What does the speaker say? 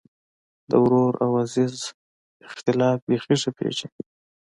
د ورور او عزیز اختلاف بېخي ښه پېژني.